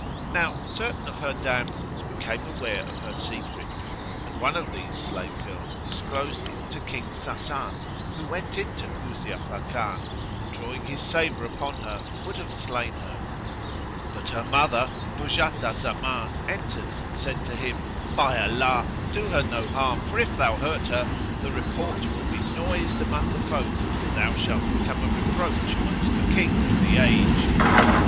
Now certain of her damsels became aware of her secret, and one of these slave girls disclosed it to King Sasan, who went into Kuzia Fakan and, drawing his sabre upon her, would have slain her: but her mother Nuzhat al Zaman entered and said to him, "By Allah, do her no harm, for if thou hurt her, the report will be noised among the folk and thou shalt become a reproach amongst the Kings of the age!